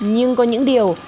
nhưng có những điều